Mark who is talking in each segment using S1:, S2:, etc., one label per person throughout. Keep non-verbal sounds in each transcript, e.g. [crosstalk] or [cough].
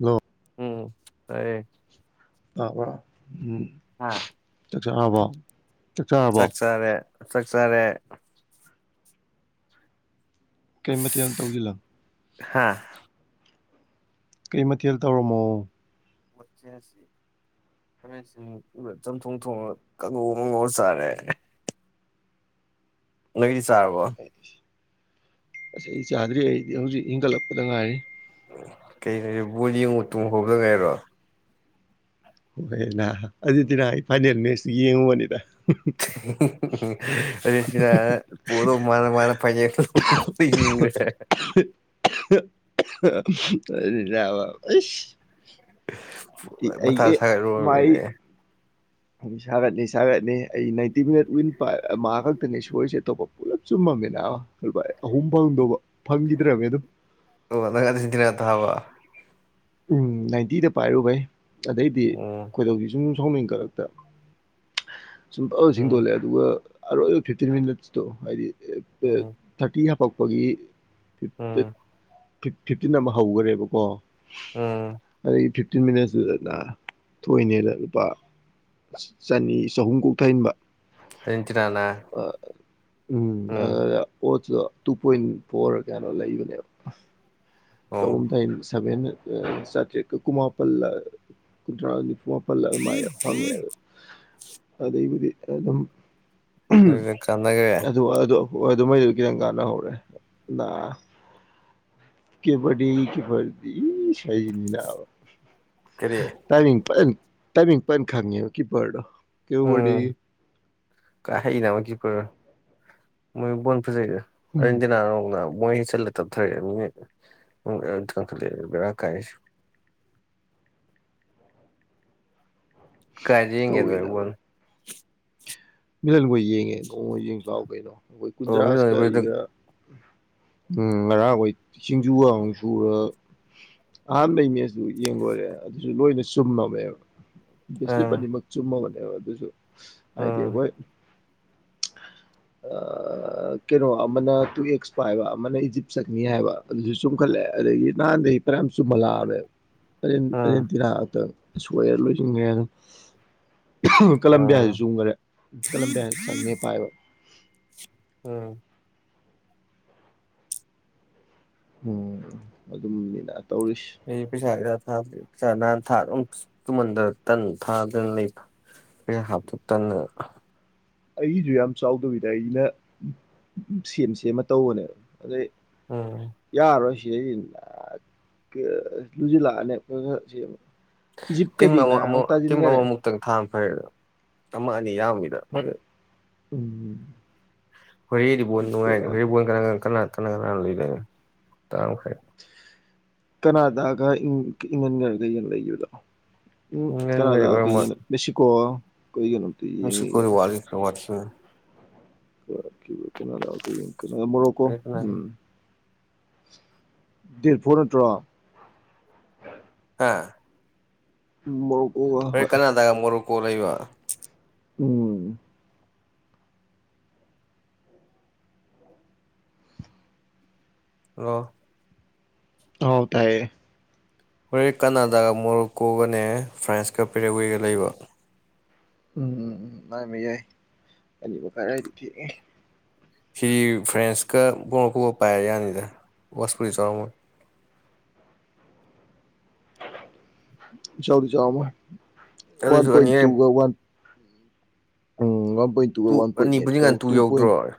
S1: ꯂꯣ
S2: ꯎꯝ ꯇꯥꯏꯌꯦ
S1: ꯇꯥꯕꯔꯥ ꯎꯝ
S2: ꯍꯥꯥ
S1: ꯆꯥꯑꯕ
S2: ꯆꯥꯛ ꯆꯥꯔꯦ ꯆꯥꯛꯆꯥꯔꯦ
S1: ꯀꯩ ꯃꯊꯦꯜ
S2: ꯑꯁ
S1: ꯇꯧꯖꯤꯜꯂꯣ
S2: ꯍꯥ
S1: ꯀꯩ ꯃꯊꯦꯜ ꯇꯧꯔꯝꯃꯣ
S2: ꯋꯥꯆꯦꯁꯤ ꯈꯥꯃꯦꯟꯁꯤꯟ ꯃꯄꯨ ꯆꯝꯊꯣꯡ ꯊꯣꯡꯉ ꯀꯥꯡꯉꯧ ꯃꯉꯧꯔꯆꯥꯔꯦ ꯅꯣꯏꯗꯤ ꯆꯥꯔꯕꯣ
S1: ꯑꯁ ꯑꯩ ꯆꯥꯗ꯭ꯔꯤ ꯑꯩꯗꯤ ꯍꯧꯖꯤꯛ ꯍꯤꯡꯒꯠꯂꯛꯄꯗ ꯉꯥꯏꯔꯤ
S2: ꯀꯩꯅꯣꯅꯦ ꯕꯣꯂ ꯌꯦꯡꯉꯨ ꯇꯨꯝ ꯍꯧꯕꯗ ꯉꯥꯏꯔꯣ
S1: ꯍꯣꯏ ꯅ ꯑꯗꯨꯗꯤ ꯅ ꯑꯩ ꯐꯥꯏꯅꯦꯜ ꯃꯦꯠꯆ ꯌꯦꯡꯉꯨꯕꯅꯤꯗ
S2: ꯁꯤ ꯄꯔꯣ ꯃꯥꯅ ꯃꯥꯅ ꯄ ꯦ
S1: ꯌꯥꯕꯁ
S2: ꯃꯊꯥ
S1: ꯑꯩꯦ ꯃꯥꯏ
S2: ꯁꯥꯒꯠꯂꯨꯔꯕꯅꯤꯅꯦ
S1: ꯑꯗꯨ ꯁꯥꯒꯠꯅꯤ ꯁꯥꯒꯠꯅꯤ ꯑꯩ ꯅꯥꯏꯟꯇꯤ ꯃꯤꯅꯠ ꯋꯤꯟ ꯃꯥ ꯈꯛꯇꯅꯤ ꯁꯣꯏꯁꯦ ꯑꯇꯣꯞꯄ ꯄꯨꯂꯞ ꯆꯨꯝꯃꯝꯃꯦ ꯂꯨ ꯑꯍꯨꯝ ꯐꯪꯗꯧꯕ ꯐꯪꯈꯤꯗ꯭ꯔꯅꯤ ꯑꯗꯨꯝ
S2: ꯑꯣ ꯅꯪꯗꯤꯖꯤꯅꯠꯇ ꯍꯥꯕ
S1: ꯎꯝ ꯅꯥꯏꯟꯇꯤꯗ ꯄꯥꯏꯔꯨꯕꯩ ꯑꯗꯩꯗꯤ
S2: ꯎꯝ
S1: ꯀꯣꯏꯗꯧꯁꯤ ꯁꯨꯝ ꯁꯣꯃꯤꯡ ꯀꯔꯛꯇ ꯁꯨꯝ ꯄ
S2: ꯎꯝ
S1: ꯁꯤꯡꯗꯣꯜꯂꯦ ꯑꯗꯨꯒ ꯑꯔꯣꯏ ꯐꯤꯞꯇꯤꯟ ꯃꯤꯅꯠꯁꯇꯣ ꯍꯥꯏꯗꯤ
S2: ꯎꯝ
S1: ꯊꯥꯔꯇꯤ ꯍꯥꯄꯛꯄꯒꯤ
S2: ꯎꯝ
S1: ꯐꯤꯐꯇꯤꯟ ꯑꯃ ꯍꯧꯈꯔꯦꯕꯀꯣ
S2: ꯎꯝ
S1: ꯑꯗꯒꯤ ꯐꯤ ꯐꯤꯞꯇꯤꯟ ꯃꯤꯅꯠꯁꯇꯨꯗꯅ ꯊꯣꯛꯏꯅꯦꯅ ꯂꯨꯄꯥ ꯆꯅꯤ ꯆꯍꯨꯝ ꯀꯣꯛꯊꯟꯕ
S2: ꯍꯆꯅꯥꯅꯥ
S1: ꯎꯝ ꯑꯗꯨ ꯑꯣ ꯇꯨ ꯄꯣꯏꯟ ꯐꯣꯔ ꯀꯩꯅꯣ ꯂꯩꯕꯅꯦꯕ ꯆꯥꯎꯨꯝ
S2: ꯑꯣ
S1: ꯗꯟ ꯁꯚꯦꯟꯇꯔꯤ ꯀꯨꯥꯄꯜ ꯀꯨ꯭ꯔꯥ ꯄꯜꯂ ꯑꯗꯨꯃꯥꯏꯅ ꯐꯪꯉꯦ ꯑꯗꯨ ꯑꯗꯩꯕꯨꯗꯤ ꯑꯗꯨꯝ
S2: ꯍ ꯆꯅꯒꯦ
S1: ꯍꯣꯏ ꯑꯗꯨꯃꯩꯗꯨꯗꯤ ꯈꯤꯇꯪ ꯀꯥꯟꯅꯍꯧꯔꯦ ꯀ ꯄꯗꯤ ꯀ ꯄꯗꯤ ꯁꯅꯤꯅ
S2: ꯀꯔꯤ
S1: ꯇꯥꯏ ꯇ ꯈꯥꯡꯉ ꯄꯔ ꯀ
S2: ꯀꯥ ꯍꯩ ꯅꯕ ꯀꯄ ꯃꯣꯏ ꯕꯣꯟ ꯐꯖꯩꯗ
S1: ꯍꯨꯝ
S2: ꯑꯔꯟꯇꯤꯅꯥ ꯃꯣꯏ ꯆꯠꯂꯦ ꯇꯊ꯭ꯔꯦ ꯈꯕꯔ ꯀꯥꯏ ꯀꯗꯌꯦꯒꯦ ꯅꯕꯨꯅ
S1: ꯃꯤꯂꯟꯈꯣꯏ ꯌꯦꯡꯉꯦ ꯅꯣꯡ ꯌꯦꯡꯁꯨ ꯂꯥꯛꯑꯣ ꯀꯩꯅꯣ ꯑꯩꯈꯣꯏ
S2: ꯑꯣ ꯃꯤ
S1: ꯀꯨꯟꯗ꯭ꯔꯥꯥꯁꯀ ꯑꯩꯒ
S2: ꯑꯥ
S1: ꯎꯝ ꯉꯔꯥꯡ ꯍꯣꯏ ꯁꯤꯡꯖꯨꯒ ꯁꯨꯔ ꯑꯍꯥꯟꯕ ꯂꯩꯅꯦ ꯑꯗꯨ ꯌꯦꯡꯂꯡ ꯂꯣꯏꯨꯔꯦ ꯑꯗꯨꯁꯨ ꯂꯣꯏꯅ ꯆꯨꯝꯃꯃꯦꯕ ꯕꯤꯁꯂꯤꯞ ꯑꯅꯤꯃꯛ ꯆꯨꯝꯃꯕꯅꯦꯕ ꯑꯗꯨꯁꯨ ꯍꯥꯏꯗꯤ
S2: ꯑꯥ
S1: ꯑꯩꯈꯣꯏ ꯀꯩꯅꯣ ꯑꯃꯅ ꯇꯨ ꯑꯦꯛꯁ ꯄ ꯍꯥꯏꯕ ꯑꯃꯅ ꯏꯖꯤꯞꯁꯛꯅꯤ ꯍꯥꯏꯕ ꯑꯗꯨꯁꯨ ꯆꯨꯝꯈꯠꯂꯑꯦ ꯑꯗꯒꯤ ꯅꯍꯥꯟꯗꯒꯤ ꯄꯔꯌꯥꯝ
S2: ꯑꯥ
S1: ꯆꯨꯝꯍꯜꯂꯛꯑꯃꯦꯦꯟꯤꯔ ꯁꯣꯏꯑꯦ ꯂꯣꯏꯁꯤꯟꯈ꯭ꯔꯦ ꯑꯗꯨꯝ
S2: ꯑꯥ
S1: ꯀꯂꯝꯕꯤꯌꯥꯁꯤ ꯆꯣꯡꯈ꯭ꯔꯦ ꯀꯂꯝ ꯄ ꯆꯪꯅꯦ ꯄꯥꯏꯕ
S2: ꯎꯝ
S1: ꯑꯣꯝ ꯑꯗꯨꯝꯅꯤꯅ ꯇꯧꯔꯤꯁꯤ
S2: ꯑꯩ ꯄꯩꯁ ꯄꯩ ꯅꯍꯥꯟ ꯊꯥꯝ ꯇꯨꯃꯟꯗ ꯇꯟ ꯊꯥꯗꯅ ꯂꯩꯕ ꯍꯥꯄ ꯇꯅ
S1: ꯑꯩꯁꯨ ꯌꯥꯝ ꯆꯥꯎꯗꯕꯤꯗ ꯑꯩꯅ ꯁꯦꯝ ꯁꯦꯝꯃ ꯇꯧꯕꯅꯦꯕ ꯑꯗꯩ
S2: ꯎꯝ
S1: ꯌꯥꯔꯣꯏꯁꯤ ꯁꯤ ꯂꯨꯁꯤꯜꯂꯛꯑꯅꯦ
S2: ꯇꯤꯝ
S1: ꯏꯖꯤꯞꯀꯗꯤ
S2: ꯑꯃ ꯑꯃ
S1: ꯅꯥꯕ
S2: ꯇꯤꯝ
S1: ꯇꯥꯁꯤꯟꯈꯔꯦ
S2: ꯑꯃꯃ ꯑꯃꯨꯛꯇꯪ ꯊꯥꯝ ꯐꯔꯦ ꯑꯗꯨ ꯑꯃ ꯑꯅꯤ ꯌꯥꯝꯃꯤꯗ
S1: ꯐꯔꯦ ꯎꯝ
S2: ꯍꯣꯔꯦꯟꯗꯤ ꯕꯣꯜ ꯅꯨꯡꯉꯥꯏꯦ
S1: ꯕꯦꯔꯥꯅꯤ
S2: ꯍꯣꯔꯦꯟ ꯕꯣꯜ ꯀꯅꯥ ꯀꯅꯥ ꯀꯅꯥ ꯀꯅꯥ ꯂꯩꯣꯏꯦ ꯇ
S1: ꯀꯅꯥꯗꯒ ꯏꯪꯍꯟꯈ꯭ꯔꯒ ꯂꯩꯈꯤꯕꯗꯣ ꯎꯝ
S2: ꯏꯪꯂꯦꯟꯒꯗꯤ
S1: ꯀꯅꯥꯗ ꯀꯩꯅ ꯃꯦꯁꯤꯀꯣ
S2: ꯃꯁꯤꯁꯤ ꯀ ꯀ
S1: ꯀ ꯌꯦꯣꯀꯣ
S2: ꯍꯣꯔꯦꯟ ꯀꯅꯥꯒ
S1: ꯎꯝ ꯗꯔ ꯐꯣꯔꯠꯇ꯭ꯔꯣ
S2: ꯑꯥ
S1: ꯎꯝꯃꯣꯞ
S2: ꯍꯣꯔꯦꯟ ꯀꯅꯥꯟ ꯇꯥꯒꯦ ꯃꯣꯔꯣꯀꯣ ꯂꯩꯕꯥ
S1: ꯎꯝ
S2: ꯍꯜꯂꯣ
S1: ꯍꯥꯎ ꯇꯥꯌꯦ
S2: ꯍꯣꯔꯦꯟ ꯀꯅꯥꯗꯥꯒ ꯃꯣꯔꯣꯀꯣꯒꯅꯦ ꯐ꯭ꯔꯥꯟꯁꯀ ꯄꯦꯔꯦꯋꯦꯒ ꯂꯩꯕ
S1: ꯎꯝ-ꯎꯝ-ꯎꯝ ꯉꯝꯃꯦ ꯌꯥꯏ ꯑꯅꯤꯃꯈꯥꯏ ꯑꯗꯥꯏꯗꯤ ꯊꯦꯡꯉꯦ
S2: ꯁꯤꯗꯤ ꯐ꯭ꯔꯥꯟꯁꯀ ꯃꯣꯔꯣꯀꯣꯒ ꯄꯥꯏꯔ ꯌꯥꯅꯤꯗ ꯕꯣꯁꯄꯨꯗꯤ ꯆꯥꯎꯔꯝꯃꯣꯏ
S1: [unintelligible] ꯏꯆꯥꯎꯗꯤ ꯆꯥꯎꯔꯝꯃꯣꯏ ꯋꯥꯟ
S2: ꯑꯗꯨꯏꯁꯨ
S1: ꯄꯣꯏꯟ
S2: ꯑꯅꯤ
S1: ꯇꯨꯒ ꯋꯥꯟ ꯎꯝ ꯋꯥꯟ ꯄꯣꯏꯟ ꯇꯨꯒ
S2: ꯇꯨ
S1: ꯋꯥꯟ ꯄꯣꯏꯟ
S2: ꯑꯅꯤꯕꯨꯗꯤ
S1: ꯑꯦꯠꯀ
S2: ꯉꯟ
S1: ꯇꯨ ꯄꯣꯏꯟ
S2: ꯌꯧꯗ꯭ꯔꯣ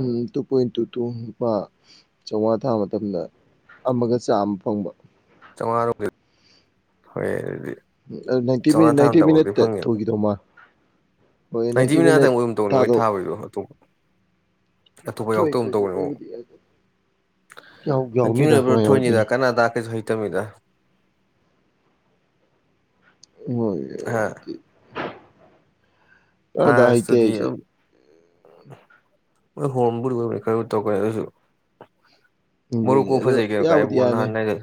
S1: ꯎꯝ ꯇꯨ ꯄꯣꯏꯟ ꯇꯨ ꯇꯨ ꯂꯨꯄꯥ ꯆꯧꯉꯥ ꯊꯥ ꯃꯇꯝꯗ ꯑꯃꯒ ꯆꯥꯝꯃ ꯐꯪꯕ
S2: ꯆꯧꯉꯥꯔꯣ ꯑꯣ ꯍꯣꯏꯌꯦ ꯑꯗꯨꯗꯤ
S1: ꯎ ꯑꯗꯨ ꯅꯥꯏꯟꯇꯤ
S2: ꯆꯥꯝꯃꯉꯥ
S1: ꯃꯤꯅꯠꯇ ꯅꯥꯏꯟꯇꯤ
S2: ꯊꯥꯔꯝꯗꯕꯐꯥꯎꯗꯤ
S1: ꯃꯤꯅꯠꯇ
S2: ꯐꯪꯉꯦꯕ
S1: ꯊꯨꯈꯤꯗꯧ ꯃꯥꯜ
S2: ꯅꯥꯏꯟꯇꯤ ꯃꯤꯅꯠ ꯉꯥꯛꯇꯪ ꯑꯣꯏꯒꯨꯝ ꯇꯧꯅꯤ ꯃꯣꯏ ꯊꯥꯕꯒꯤꯗꯣ ꯑꯇꯣꯡꯕ ꯑꯇꯣꯞꯄ
S1: ꯊꯣꯏ
S2: ꯌꯥꯎꯇꯒꯨꯝ
S1: ꯊꯣꯏ
S2: ꯇꯧꯕꯅꯤ ꯑꯃꯨꯛ
S1: ꯊꯣꯛꯄꯩꯕꯨꯗꯤ ꯌꯥꯎ
S2: ꯑ-ꯍꯟꯇꯤꯡ
S1: ꯌꯥꯎꯅꯤꯗ
S2: ꯂꯩꯕꯅ
S1: ꯀꯃꯥꯏ ꯌꯥꯎꯔꯣꯏꯗꯣꯏꯅꯣ
S2: ꯊꯣꯏꯅꯤꯗ ꯀꯅꯥꯗꯥꯀꯩꯁꯨ ꯇꯝꯃꯤꯗ
S1: ꯍꯣꯏꯌꯦ ꯑꯗꯨꯗꯤ ꯑꯗ ꯍꯩꯇꯦ
S2: ꯐ꯭ꯔꯥꯟꯇꯨꯗꯤ
S1: ꯑꯩꯁꯤ
S2: ꯑꯗꯨꯝ ꯃꯣꯏ ꯍꯣꯝꯕꯨ ꯂꯨꯅ ꯈꯔ ꯇꯧ ꯀꯩꯅꯣ ꯑꯗꯨꯁꯨ
S1: ꯑꯗꯨꯅꯤ
S2: ꯃꯣꯔꯣꯀꯣ
S1: ꯑꯗꯣ
S2: ꯐꯖꯩ ꯀꯩꯅꯣ ꯀꯥ
S1: ꯌꯥꯕꯨꯗꯤ
S2: ꯏꯕꯣꯍꯜ
S1: ꯌꯥꯅꯤ
S2: ꯅꯍꯥꯟꯅꯩꯔꯦ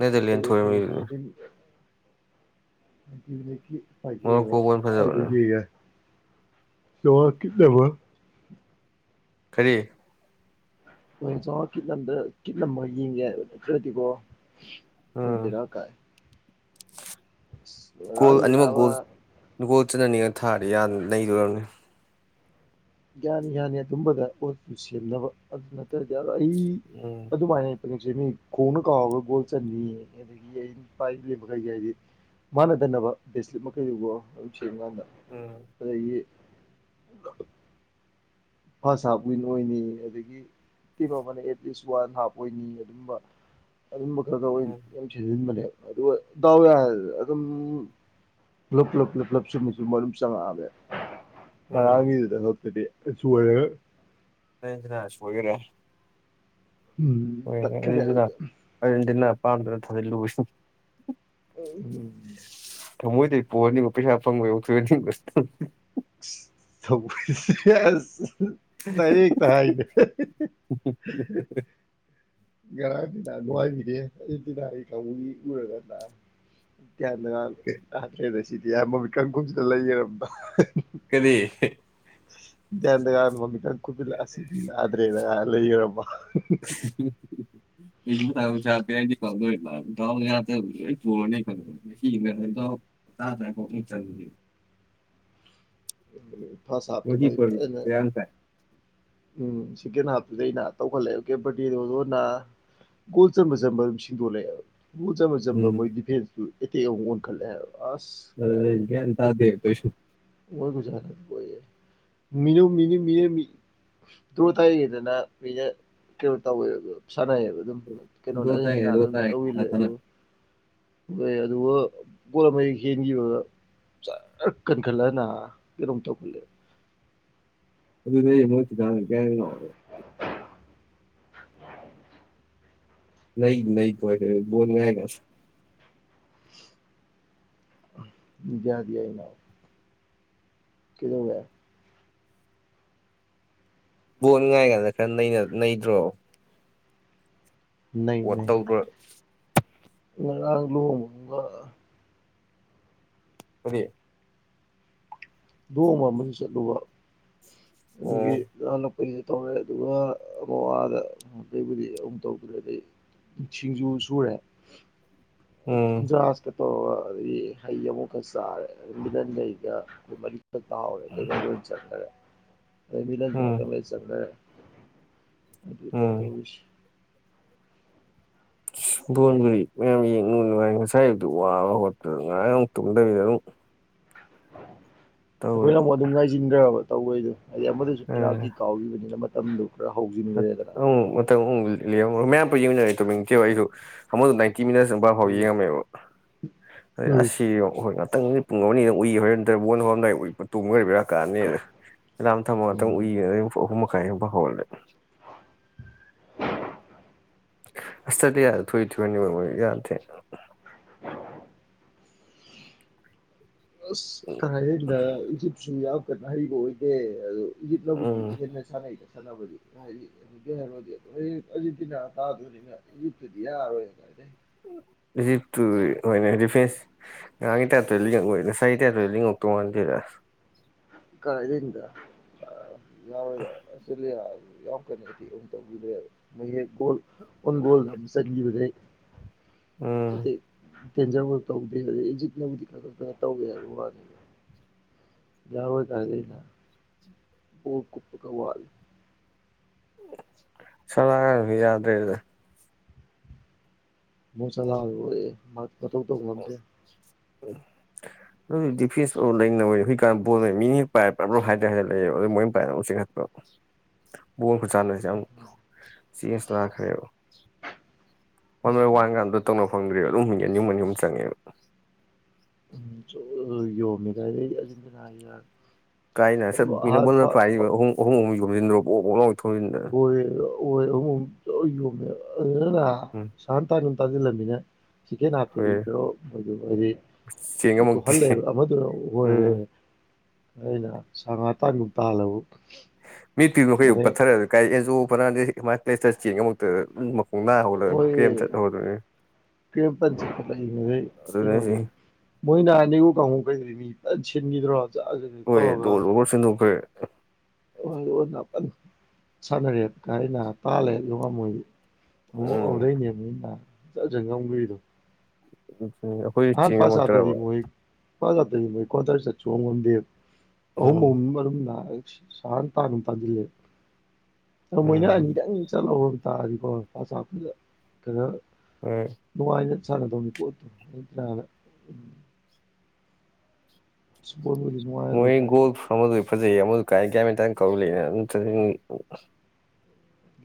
S2: ꯅꯦꯟꯗꯔꯂꯦꯟ
S1: ꯐꯖꯩ ꯐꯖꯩ
S2: ꯊꯣꯏꯔꯝꯃꯤꯗꯨꯗꯤ
S1: ꯍꯥꯏꯗꯤ [unintelligible] ꯅꯤꯠꯀꯤ
S2: ꯃꯣꯔꯣꯛꯀꯣ ꯕꯣꯜ ꯐꯖꯕꯅꯦ
S1: [unintelligible] ꯌꯦꯡꯉꯦ ꯆꯧꯉꯥ ꯀꯤꯠ ꯅꯝꯃ
S2: ꯀꯔꯤ
S1: ꯍꯣꯔꯦꯟ ꯆꯧꯉꯥ ꯀꯤꯠꯅꯝꯗ ꯀꯤꯠ ꯅꯝꯃꯒ ꯌꯦꯡꯒꯦ ꯍꯥꯏꯕ ꯅꯠꯇꯔꯗꯤꯀꯣ
S2: ꯎꯝ
S1: ꯑꯗ-ꯕꯦꯔꯥ ꯀꯥꯏ [unintelligible]
S2: ꯒꯣꯜ
S1: ꯉꯔꯥꯡꯒꯤ
S2: ꯑꯅꯤꯃꯛ
S1: ꯅꯥꯕ
S2: ꯒꯣꯜ ꯒꯣꯜ ꯆꯠꯅꯅꯤꯡꯉ ꯊꯥꯔꯗꯤ ꯌꯥꯝ ꯅꯩꯗꯣꯔꯝꯅꯤ
S1: ꯌꯥꯅꯤ-ꯌꯥꯅꯤ ꯑꯗꯨꯝꯕꯗ ꯄꯣꯠꯄꯨ ꯁꯦꯝꯅꯕ ꯑꯗꯨ ꯅꯠꯇ꯭ꯔꯗꯤ ꯑꯩ
S2: ꯎꯝ
S1: ꯑꯗꯨꯃꯥꯏꯅ ꯍꯧꯖꯤꯛꯁꯦ ꯃꯤ ꯈꯣꯡꯅ ꯀꯥꯎꯔ ꯒꯣꯜ ꯆꯟꯕꯤꯅꯤ ꯑꯗꯒꯤ ꯑꯩꯅꯄꯥꯏ ꯂꯩꯕꯒꯥꯏꯖꯦ ꯍꯥꯏꯗꯤ ꯃꯥꯟꯅꯗꯅꯕ ꯕꯦꯁꯂꯤꯞ ꯃꯈꯩꯗꯨꯒ ꯑꯗꯨꯝ ꯀꯔꯤꯝ ꯀꯥꯟꯗ
S2: ꯎꯝ
S1: ꯑꯗꯒꯤ ꯐꯥꯁ ꯍꯥꯞ ꯋꯤꯟ ꯑꯣꯏꯅꯤꯌꯦ ꯑꯗꯒꯤ ꯇꯤꯝ ꯑꯃꯅ ꯑꯦꯠꯂꯤꯁ ꯋꯥꯟ ꯍꯥꯐ ꯑꯣꯏꯅꯤꯌꯦ ꯑꯗꯨꯝꯕ-ꯑꯗꯨꯝꯕ ꯈꯔꯗ ꯑꯣꯏꯅ
S2: ꯎꯝ
S1: ꯌꯥꯝ ꯁꯤꯖꯤꯟꯕꯅꯦꯕ ꯑꯗꯨꯒ ꯗꯥꯎ ꯌꯥꯔ ꯑꯗꯨꯝ ꯂꯨꯞ-ꯂꯨꯞ-ꯂꯨꯞ-ꯂꯨꯞ ꯆꯨꯝꯕꯨ-ꯆꯨꯝꯕ ꯑꯗꯨꯝ ꯆꯪꯉꯛꯑꯕꯅꯦꯕ
S2: ꯎꯝ
S1: ꯉꯔꯥꯡꯒꯤꯗꯨꯗ ꯍꯣꯞꯇꯨꯗꯤ ꯑ-ꯆꯣꯏꯔꯒ
S2: ꯑꯩꯑꯖꯤꯅ ꯁꯣꯏꯒꯔꯦ
S1: ꯎꯝ
S2: ꯍꯣꯔꯦꯟꯗꯤ
S1: ꯇꯠꯈ꯭ꯔꯦ ꯑꯗꯨꯗ
S2: ꯑꯗꯨꯗꯨꯅ-ꯑꯗꯨꯗꯨꯅ ꯑꯄꯥꯝꯕꯗ ꯊꯥꯖꯤꯜꯂꯨꯌꯦ ꯍꯨꯡ
S1: ꯎꯝ
S2: ꯊꯃꯣꯏꯗꯩ ꯄꯣꯑꯅꯤꯕ ꯄꯩꯁꯥ ꯐꯪꯕꯩ ꯌꯥꯎꯊꯣꯛꯅꯤꯡꯕ ꯍꯨꯡ
S1: ꯁ ꯊꯧꯋꯥꯏꯁꯦ ꯁ‌ꯦꯁ ꯍꯨꯝ ꯇꯔ‌ꯦꯠꯀ ꯍꯥꯏꯅꯦ ꯍꯥ-ꯍꯥ-ꯍꯥ ꯉꯔꯥꯡ ꯂꯤꯂꯥ ꯅꯨꯡꯉꯥꯏꯕꯤꯅꯦ ꯑꯔꯖꯦꯟꯇꯤꯅꯥꯒꯤ ꯀꯥꯡꯕꯨꯒꯤ ꯎꯔꯒꯅ ꯄꯤꯌꯥꯥꯟꯗ ꯉꯔꯥꯡ ꯑꯁ ꯌꯥꯗ꯭ꯔ‌‌ꯦꯗ ꯁꯤꯗꯤ ꯍꯥꯏꯔ ꯃꯃꯤꯠꯀꯟ ꯈꯨꯝꯖꯤꯜꯂ ꯂꯩꯒꯔꯝꯗꯣ ꯍꯥ-ꯍꯥ
S2: ꯀꯔꯤ
S1: ꯕꯤꯗꯌꯥꯟꯗꯒꯗꯨ ꯃꯃꯤꯠ ꯀꯥꯡ ꯀꯨꯕꯤꯂꯥꯁꯤꯗꯤ ꯌꯥꯗ꯭ꯔꯦꯗ ꯆꯥꯡ ꯍꯥꯏꯔ ꯂꯩꯒ꯭ꯔꯝ ꯃꯥ
S2: [unintelligible] ꯃ‌ꯦꯁꯤ [unintelligible]
S1: ꯐꯁ ꯍꯥꯞꯇꯨ ꯃꯥ ꯐꯖꯟꯅ ꯎꯝ ꯁꯦꯀꯦꯟ ꯍꯥꯐꯇꯨꯗ ꯅ ꯇꯧꯈꯠꯂꯛꯑꯦ ꯀꯦꯕꯔꯗꯤꯗꯅ ꯒꯣꯜ ꯆꯟꯕ ꯆꯟꯕ ꯑꯗꯨꯝ ꯁꯤꯡꯗꯣꯔꯂꯛꯑꯦꯕ ꯒꯣꯜ ꯆꯟꯕ ꯆꯟꯕ
S2: ꯎꯝ
S1: ꯃꯣꯏ ꯗꯤꯐꯦꯟꯁꯇꯨ ꯑꯦꯇꯦꯛ ꯑꯃꯨꯛ ꯑꯣꯟꯈꯠꯂꯛꯑꯦꯕ ꯑꯁ
S2: ꯑꯗꯨꯗꯩ
S1: ꯀꯔꯥꯏꯗꯩ
S2: ꯒ꯭ꯌꯥꯟ ꯇꯥꯗꯦ ꯇꯧꯏꯁꯤ
S1: ꯃꯤꯅꯨ ꯃꯤꯅꯤ ꯃꯤꯅꯤ ꯗꯗꯨꯔ ꯊꯗꯖꯦ ꯀꯦꯔ ꯇ ꯁꯥꯟꯅꯩꯌꯦꯕ ꯑꯗꯨꯝ ꯀꯩꯅꯣꯅ
S2: ꯗꯣ ꯇꯥꯏ
S1: ꯑꯔꯖ‌ꯦꯟꯇꯤꯅꯅ
S2: ꯑꯗꯣ
S1: ꯑꯗꯨꯝ
S2: ꯇꯥꯏ ꯈꯠꯅ
S1: ꯇꯧꯖꯤꯜꯂꯦ
S2: ꯈꯠꯅ
S1: ꯑꯗꯨꯝ ꯍ‌ꯣꯏ ꯑꯗꯨꯒ ꯒ‌ꯣꯜ ꯑꯃ ꯍ‌ꯦꯛ ꯍ‌ꯦꯟꯒꯤꯕꯒ ꯀꯟꯈꯠꯂ ꯅ ꯀꯩꯅꯣꯝ ꯇꯧꯈꯜꯂꯦ
S2: ꯑꯗꯨꯅ‌ꯦ [unintelligible] ꯅꯩ ꯅꯩ ꯀꯣ ꯕꯣꯜ [unintelligible]
S1: ꯌꯥꯗꯤ ꯌꯥꯏꯅ ꯀꯩ ꯗꯧꯑꯦ
S2: ꯕꯣꯜ ꯉꯥꯏ ꯀꯥꯟꯗ ꯈꯔ ꯅꯩꯗ꯭ꯔꯣ
S1: ꯅꯩ
S2: ꯑꯣ
S1: ꯅꯩ
S2: ꯇꯧꯗ꯭ꯔꯣꯏ
S1: ꯉꯔꯥꯡ ꯂꯨꯍ‌ꯣꯡꯕ ꯑꯜꯒꯥ
S2: ꯍ‌ꯣꯏꯌ‌ꯦ
S1: ꯂꯨꯍ‌ꯣꯡꯕ ꯑꯃꯁꯨ ꯆꯠꯂꯨꯕ ꯑꯗꯨꯒꯤ
S2: ꯎꯝ
S1: ꯍꯜꯂꯛ ꯀ ꯇꯧꯔꯦ ꯑꯗꯨꯒ ꯑ ꯑꯗ ꯑꯇꯩꯕꯨꯗꯤ ꯑꯃꯨꯛ ꯇꯧꯗꯔꯦ ꯑꯗꯩ ꯁꯤꯡꯖꯨ ꯁꯨꯔꯦ
S2: ꯎꯝ
S1: ꯨꯀꯨꯟꯖꯔꯥꯁ ꯀ ꯇꯧꯔꯒ ꯍꯩ ꯑꯃꯨꯛꯀ ꯆꯥꯔꯦ ꯃꯤꯂꯟꯒ ꯑꯩꯒ ꯑꯈ‌ꯣꯏ ꯃꯔꯤꯗ ꯇꯥꯍꯧꯔ‌ꯦ ꯑꯇꯩꯒꯩ ꯂ‌ꯣꯏꯟ ꯆꯪꯒ꯭ꯔ‌ꯣ ꯑꯇꯩ ꯃꯤꯂꯟꯁꯨ
S2: ꯎꯝ
S1: ꯉꯥꯇꯪ ꯂꯩꯔ ꯆꯪꯒ꯭ꯔ‌ꯦ ꯑꯗꯨꯗ
S2: ꯎꯝ
S1: ꯇꯧꯔꯤꯁꯤ [inaudible]
S2: ꯕꯣꯟꯕꯨꯗꯤ ꯃꯌꯥꯝ ꯌꯦꯡꯅꯨ ꯅꯨꯡꯉꯥꯏ ꯉꯁꯥꯏ ꯑꯌꯨꯛꯇꯨ ꯋꯥꯕ ꯍꯧꯒꯠꯄꯗ ꯉꯔꯥꯡ ꯑꯃꯨꯛ ꯇꯨꯝꯗꯝꯅꯤꯅ ꯑꯗꯨꯝ ꯇꯧꯔꯦ
S1: ꯑꯩꯈꯣꯏꯅ ꯑꯃꯨꯛ ꯑꯗꯨꯝ ꯉꯥꯏꯁꯤꯟꯈ꯭ꯔꯕ ꯇꯧꯕꯩꯗꯣ ꯑꯗꯨ ꯑꯃꯗꯨꯁꯨ ꯄ‌ꯦꯅꯥꯜꯇꯤ ꯀꯥꯎꯒꯤꯕꯅꯤꯅ ꯃꯇꯝꯗꯨ ꯈꯔ ꯍꯧꯖꯤꯟꯈ꯭ꯔꯦꯗꯅ
S2: ꯑꯃꯧ ꯃꯇꯝ ꯑꯃꯧ ꯂ‌ꯦꯡꯝꯃꯝꯃ‌ꯣꯏ ꯃꯌꯥꯝ ꯄꯨꯂꯞ ꯌ‌ꯦꯡꯃꯤꯟꯗꯤ ꯇꯨꯝꯅꯤꯡꯇ‌ꯦꯕ ꯑꯩꯁꯨ ꯑꯃꯗꯨ ꯅꯥꯏꯟꯇꯤ ꯀꯤ ꯃꯤꯅꯠ ꯑꯗ‌ꯣꯝꯄꯥ ꯐꯥꯎ
S1: ꯎꯝ
S2: ꯌꯦꯡꯉꯝꯃꯦꯕ ꯑꯗꯩ
S1: ꯎꯝ
S2: ꯑꯁ ꯁꯤ ꯑꯩꯈꯣꯏ ꯉꯥꯛ ꯃꯤꯅꯤ ꯄꯨꯡ ꯑꯃꯅꯤꯗ‌ꯪ ꯎꯏꯒ‌ꯦ ꯅꯠꯇ꯭ꯔ ꯕꯣꯟ ꯍꯧꯔꯝꯗꯥꯏ ꯇꯨꯝꯒ꯭ꯔꯥ ꯕ‌ꯦꯔꯥ ꯀꯥꯅꯤꯗ‌ ꯑꯦꯂꯝ ꯊꯝꯃ ꯉꯥꯇꯪ
S1: ꯎꯝ
S2: ꯎꯏꯒ‌ꯦꯅ ꯑꯍꯨꯝ ꯃꯈꯥꯏ ꯁꯨꯋꯥꯏ ꯍꯧꯒꯠꯂ‌ꯦ ꯑꯁꯇꯗꯤꯌꯥꯗ ꯊꯣꯏ ꯊ‌ꯣꯏꯍꯟꯅꯤꯜ ꯃ‌ꯣꯏꯗꯨ ꯌꯥꯗ‌ꯦ
S1: ꯑꯁ ꯀꯥꯏꯗꯩꯅ ꯏꯖꯤꯞꯁꯨ ꯌꯥꯝ ꯀꯟꯅ ꯍꯩꯕ ꯑꯣꯏꯗꯦ ꯑ ꯏꯖꯤꯞꯅꯕꯨꯗꯤ
S2: ꯎꯝ
S1: ꯍ‌ꯦꯟꯅ ꯁꯥꯟꯅꯩꯗ ꯁꯥꯟꯕꯗꯤ ꯀꯗꯤ ꯑꯗꯨ ꯀ ꯍꯥꯏꯔꯣꯗꯤ ꯍꯣꯏ ꯑꯔꯖꯦꯟꯇꯤꯅꯥ ꯇꯥꯗꯣꯏꯅꯤꯅ ꯏꯖꯤꯞꯇꯨꯗꯤ ꯌꯥꯔꯣꯏꯅ ꯀꯥꯏꯗꯩ
S2: ꯏꯖꯤꯞꯇꯨ ꯍ‌ꯣꯏꯅ‌ꯦ ꯗꯤꯐ‌ꯦꯟꯁ ꯉꯔꯥꯡꯒꯤ ꯇꯥꯏꯞꯇ ꯂꯤꯡꯉꯛꯑꯣꯏ ꯉꯁꯥꯏꯒꯤ ꯇꯥꯏꯞꯇ ꯂꯤꯡꯉꯛꯇꯧ ꯃꯥꯟꯗ‌ꯦꯗ
S1: ꯀꯥꯏꯗꯗ ꯌꯥꯁ ꯌꯥꯎ ꯀꯅꯤꯣꯜ ꯣꯜꯁꯕꯗ
S2: ꯎꯝ
S1: ꯇꯦꯟꯖꯕ ꯇꯧꯗꯦ ꯍꯥꯏ ꯍꯧꯖꯤꯛꯕꯨꯗꯤ ꯈ ꯈ ꯇꯧꯒꯦ ꯍꯥꯏꯕ ꯋꯥꯅꯤ ꯌꯥꯕꯣꯏ ꯆꯗꯩꯅ ꯣ ꯀꯨꯞꯄꯒꯋꯥꯜ
S2: ꯆꯂꯒ ꯌꯥꯗꯦꯔꯗ
S1: ꯃ ꯆꯂ ꯃꯥ ꯀꯊ ꯇꯧ ꯉꯝꯖꯦ
S2: ꯍ ꯑꯗꯨ ꯗꯤꯐꯦꯟꯁ ꯂꯩꯅꯕ ꯍꯧꯖꯤꯛꯀꯥꯟ ꯕꯣꯜ ꯃꯤꯅꯤ ꯄꯥꯏꯣ ꯍꯥꯏꯗ꯭ꯔꯦ ꯍꯥꯏ ꯂꯩꯔ ꯃꯣꯏ ꯄꯥꯏ ꯆꯤꯡꯈꯠꯄ ꯕꯣꯟ ꯈꯨ ꯆꯥꯟꯅꯁꯦ ꯌꯥꯝ ꯁꯤ ꯑꯦꯁ ꯈꯔꯦꯕ ꯍ ꯃꯣꯏ ꯋꯥꯟ ꯀꯥꯟꯗ ꯇꯧꯅ ꯐꯪꯗ꯭ꯔꯤ ꯑꯗꯨꯝ ꯃꯤ ꯌꯦꯅꯤꯨꯝ ꯑꯅꯤꯃꯨꯝ ꯆꯪꯉꯦꯕ
S1: ꯌꯣꯃꯤꯖꯤꯅꯔ
S2: ꯀꯥꯏꯅ ꯁꯠ ꯄꯨꯅꯕ ꯜꯅ ꯄꯥꯏꯔꯤꯕ ꯑꯍꯨꯝ ꯑꯍꯨꯝ ꯑꯍꯨꯝ ꯌꯣꯁꯤꯟꯗ꯭ꯔꯣ
S1: [unintelligible]
S2: ꯎꯝ
S1: ꯇꯥꯁꯤꯜꯂꯝꯃꯤꯅ ꯁꯤꯛꯀꯦꯟ ꯍꯥꯞꯄꯗꯤ
S2: ꯍꯣꯏ
S1: ꯀꯔꯣ ꯃꯣꯏꯗꯨ ꯍꯥꯏꯗꯤ
S2: ꯆꯦꯟ
S1: [unintelligible]
S2: ꯉꯝꯃꯛꯇꯦ
S1: ꯍꯜꯂꯦ ꯑꯃꯗꯨ
S2: ꯎꯝ
S1: [unintelligible] ꯑꯩꯅ ꯁꯥ ꯉꯥ ꯇꯥꯟꯒꯨꯝ ꯇꯥꯜꯂꯕꯨ
S2: ꯃꯤ ꯇꯤꯝ ꯃꯈꯩ ꯄꯠꯊꯔ ꯀꯥꯏ ꯑꯦꯟꯖ‌ꯣ ꯐꯔꯅꯥꯟꯗ‌ꯦꯁ ꯃꯥꯏ ꯄꯂ‌ꯦꯁ ꯇꯧ ꯆꯥ ꯦꯦꯟ ꯉꯃꯛꯇꯅ ꯆꯣ
S1: ꯀ ꯀꯣ
S2: ꯑꯗꯨꯅ ꯑꯩꯁꯦ
S1: ꯃꯅꯅꯥꯅꯤ ꯀ ꯀꯩ ꯃꯤ ꯁꯤꯟꯈꯤꯗ꯭ꯔꯣ
S2: ꯍꯣꯏ
S1: ꯇꯧꯔꯒ
S2: ꯂꯣꯜ ꯑꯣꯚꯔ ꯆꯦꯟꯗꯣꯛꯈ꯭ꯔꯦ
S1: ꯣꯏ ꯁꯥꯟꯅꯔꯦ ꯀꯥꯏꯅ ꯇꯥꯜꯂꯦ ꯂꯉ ꯃꯣꯏ ꯑꯣ
S2: ꯎꯝ
S1: ꯑꯣꯗꯅꯤꯃꯤ ꯆ ꯆꯪꯒ ꯑꯃꯒꯗꯣ
S2: ꯎꯝ ꯎ ꯑꯩꯈꯣꯏꯁꯨ ꯆꯦꯡꯉꯝꯃꯛꯇ꯭ꯔꯕ
S1: ꯀ꯭ꯋꯥ ꯃꯣꯏ ꯀ꯭ꯋꯥꯗꯥꯏ ꯆꯠꯁꯨ ꯉꯉꯝꯗꯦ ꯑꯍꯨꯝ
S2: ꯎꯝ
S1: ꯑꯍꯨꯝ ꯃꯔꯝ ꯅꯥ ꯁꯍꯅ ꯇꯥꯅ ꯇꯥꯁꯤꯜꯂꯦꯕ ꯃꯣꯏꯅ
S2: ꯎꯝ
S1: ꯑꯅꯤꯇꯪ ꯆꯠꯍꯧ ꯠꯇ ꯐꯁ ꯀ
S2: ꯎꯝ
S1: ꯁꯥ ꯇꯃꯤ ꯄꯨꯣꯠꯇꯣꯔ ꯅꯨꯡꯉꯥꯏꯍꯜꯂꯤ
S2: ꯃꯣꯏ ꯒꯣꯜ
S1: ꯀꯥꯏꯗꯩ
S2: ꯑꯃꯗ ꯐꯖꯩ ꯑꯃꯗꯨ ꯀꯥꯏ ꯀꯌꯥꯃꯇ ꯀꯧꯔꯤ ꯂꯩꯅ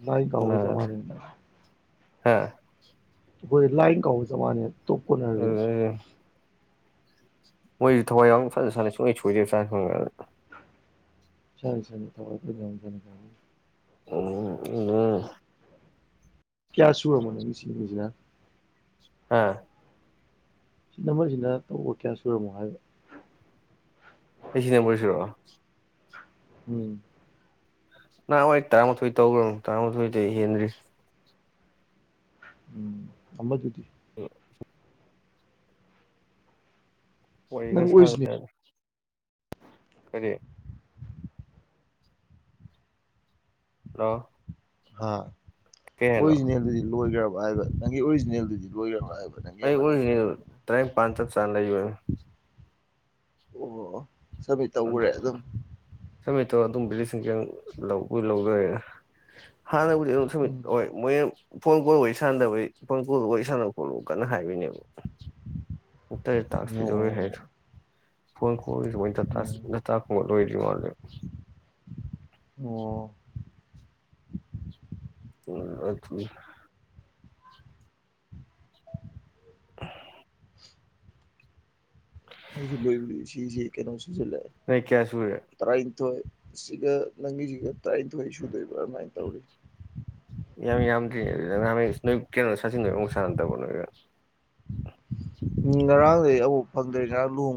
S1: ꯅ ꯀꯥꯎꯑꯣꯖꯃꯅꯤꯅ
S2: ꯍꯥꯥ
S1: ꯣꯏ ꯂꯥꯏꯟ ꯀꯥꯎ ꯆ ꯃꯥꯅꯦ ꯇꯞ ꯀꯣꯅꯔ
S2: ꯑꯗꯨ ꯃꯣꯏꯁꯨ ꯊꯋꯥꯏ ꯌꯥꯎꯅ ꯐꯖꯅ ꯁꯥꯟꯅꯩ ꯁꯨꯡꯣꯏ ꯁꯣꯏꯗꯦꯥꯅ ꯈꯪꯉ ꯑꯗꯨꯅ
S1: ꯁꯔ ꯁꯔꯤ ꯊꯋꯥꯏ ꯐ ꯌꯥꯎ ꯆꯅ ꯀ
S2: ꯎꯝ ꯎ
S1: ꯀꯌꯥ ꯁꯨ ꯑꯃ ꯃꯨꯅ ꯃꯤꯁꯤꯖꯤꯅꯥ
S2: ꯑꯥ
S1: ꯁꯤꯅꯃꯣꯏꯁꯤꯅ ꯇꯧꯕ ꯀꯌꯥ ꯁꯨꯔꯝꯃꯣ ꯍꯥꯏꯕ
S2: ꯑꯩꯁꯤꯅꯦ ꯑꯃ ꯄꯨꯁꯤꯣ
S1: ꯎꯝ
S2: ꯅꯍꯥꯟꯋꯥ ꯑꯩ ꯇꯔꯥꯃꯥꯊꯣꯏ ꯇꯧꯈ꯭ꯔꯅꯨ ꯇꯔꯥꯃꯥꯊꯣꯏꯗ ꯍꯦꯟꯗ꯭ꯔꯤ
S1: ꯎꯝ ꯑꯝꯕꯖꯌꯣꯇ
S2: ꯑꯣ ꯋꯥꯔꯤ
S1: ꯅꯪ
S2: ꯈꯔ
S1: ꯑꯣꯏꯁꯤꯅꯦ
S2: ꯁꯥꯅꯦ ꯀꯔꯤ ꯍꯂꯣ
S1: ꯍꯥ ꯑꯣꯔꯤꯖꯤꯅꯦꯜꯗꯨꯗꯤ ꯂꯣꯏꯈ꯭ꯔꯕ ꯍꯥꯏꯕ ꯅꯪꯒꯤ ꯑꯣꯔꯤꯖꯤꯅꯦꯜꯗꯨꯗꯤ ꯂꯣꯏꯈ꯭ꯔꯕ ꯍꯥꯏꯕ ꯅꯪꯒꯤ
S2: ꯑꯩ
S1: ꯑꯃ ꯅꯪꯒꯤ
S2: ꯎꯔꯤꯉꯅꯤ
S1: ꯅꯝꯕꯔꯗꯨꯕꯨ
S2: ꯇꯔꯥꯅꯤꯄꯥꯥꯟ ꯆꯞ ꯆꯥꯅ ꯂꯩꯕ
S1: ꯑꯣ ꯆꯃ ꯇꯧꯈꯨꯔꯦ ꯑꯗꯨꯝ
S2: ꯁꯃꯤꯠꯇꯣ ꯑꯗꯨꯝꯝꯕ ꯂꯤꯁꯤꯡ ꯀ ꯂꯧꯕ ꯂꯧꯗꯔꯦ ꯍꯥꯟꯅꯕꯨꯗꯤ ꯁꯃꯤꯠ
S1: ꯎꯝ
S2: ꯍꯣꯏ ꯃꯣꯏ ꯐꯣꯟ ꯀꯣꯜ ꯋꯥꯔꯤ ꯁꯥꯟꯅꯗꯕꯩ ꯐꯣꯟ ꯀꯣꯜ ꯋꯥꯔꯤ ꯁꯥꯟꯅꯕ ꯈꯣꯠꯂꯣ ꯀꯟꯅ ꯍꯥꯏꯕꯣꯏꯅꯦꯕ ꯎꯨꯛꯇ ꯇꯥꯛꯁ ꯄꯤꯗꯧꯦ
S1: ꯑꯣ
S2: ꯍꯥꯏꯁꯨ ꯐꯣꯟ ꯀꯣ
S1: ꯎꯝ
S2: ꯦꯇ ꯂꯣꯏꯗꯤ ꯑꯗꯨ
S1: ꯑꯣ
S2: ꯎꯝ ꯑꯗꯨ [inaudible]
S1: ꯑꯩꯁꯨ ꯂꯣꯏ ꯁꯤꯁꯤ ꯀꯩꯅꯣ ꯁꯤꯁꯤꯂ
S2: ꯅꯣꯏ ꯀꯌꯥ ꯁꯨꯔꯦ
S1: ꯇꯔꯥꯅꯊꯣꯏ ꯁꯤꯒ ꯅꯪꯒꯤꯁꯤꯒ ꯇꯔꯥꯅꯤꯊꯣꯏ ꯁꯨꯗꯣꯏꯕ꯭ꯔꯥ ꯑꯗꯨꯃꯥꯏꯅ ꯇꯧꯔꯤ
S2: ꯌꯥꯝ ꯅ ꯀꯩꯅꯣ ꯁꯆꯅ ꯁꯟꯄ
S1: ꯎꯝ ꯉꯔꯥꯡꯗꯒꯤꯩ ꯑꯃꯨꯛ ꯐꯪꯗ꯭ꯔꯤ ꯈꯔ ꯂꯨ